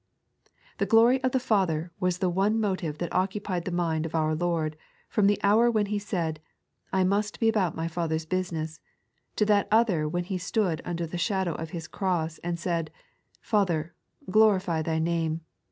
The glory of the Father was the one motive that occupied the mind of our Lord, from the hour when He said, "I must be about My Father's business," to that other when He stood under the shadoiv of His Cross, and eaid :" Father, glorify Thy name.